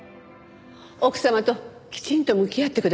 奥様ときちんと向き合ってくださいね。